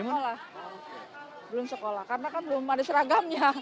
malah belum sekolah karena kan belum ada seragamnya